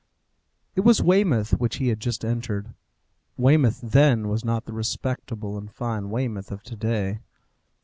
It was Weymouth which he had just entered. Weymouth then was not the respectable and fine Weymouth of to day.